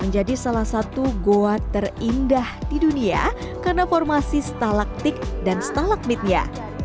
menjadi salah satu goa terindah di dunia karena formasi stalaktik dan stalakmitnya